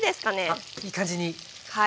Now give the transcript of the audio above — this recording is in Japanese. あっいい感じに。